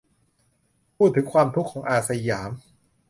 พูดถึงความทุกข์ของ "อาสยาม"